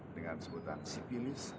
dengan sebutan sipilis